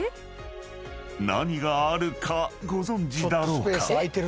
［何があるかご存じだろうか？］